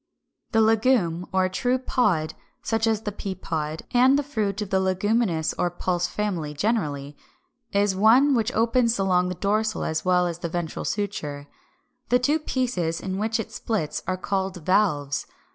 ] 368. =The Legume= or true Pod, such as the peapod (Fig. 393), and the fruit of the Leguminous or Pulse family generally, is one which opens along the dorsal as well as the ventral suture. The two pieces into which it splits are called VALVES.